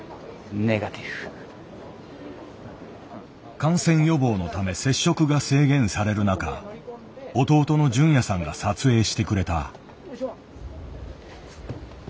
感染予防のため接触が制限される中弟の隼也さんが撮影してくれた。